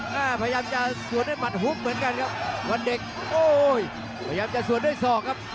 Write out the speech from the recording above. พยายามจะสวนด้วยหมัดฮุบเหมือนกันครับวันเด็กโอ้ยพยายามจะสวนด้วยศอกครับ